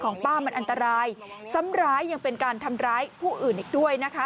ป้ามันอันตรายซ้ำร้ายยังเป็นการทำร้ายผู้อื่นอีกด้วยนะคะ